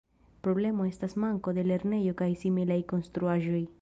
Problemo estas manko de lernejo kaj similaj konstruaĵoj.